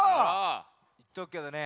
いっておくけどね